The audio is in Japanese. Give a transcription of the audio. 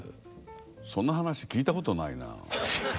そんな話聞いたことないな。